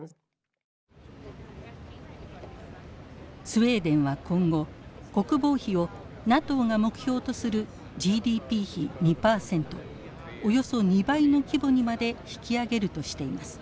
スウェーデンは今後国防費をＮＡＴＯが目標とするＧＤＰ比２％およそ２倍の規模にまで引き上げるとしています。